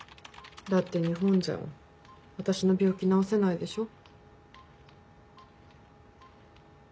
だって日本じゃ私の病気治せないでしょ。